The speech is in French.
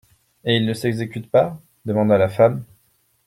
Et s'il ne s'exécute pas ? demanda la femme.